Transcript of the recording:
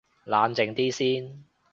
冷靜啲先